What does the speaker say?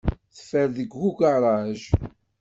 Teffer deg ugaṛaj.